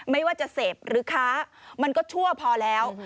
ไม่ว่าจะเสพหรือค้ามันก็ชั่วพอแล้ว